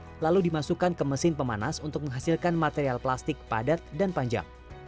air lalu dimasukkan ke mesin pemanas untuk menghasilkan material plastik padat dan panjang